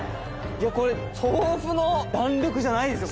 これ豆腐の弾力じゃないですよ